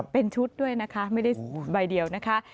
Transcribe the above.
เป็นชุดด้วยนะคะไม่ได้ใบเดียวนะคะ